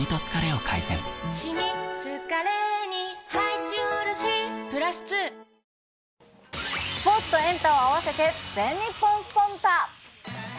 「ビオレ」スポーツとエンタを合わせて、全日本スポンタっ！